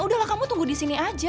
udah lah kamu tunggu di sini aja